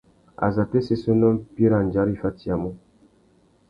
Azatê séssénô mpí râ andjara i fatiyamú?